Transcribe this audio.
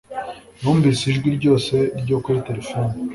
numvise ijwi ryose ryo kuri terefone